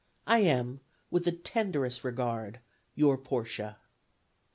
"I am, with the tenderest regard, "Your PORTIA."